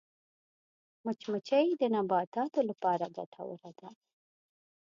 مچمچۍ د نباتاتو لپاره ګټوره ده